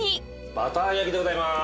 バター焼きでございます。